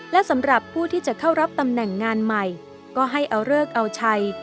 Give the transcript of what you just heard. และสำหรับผู้ที่จะเข้ารับตำแหน่งงานใหม่ก็ให้เอาเลิกเอาชัย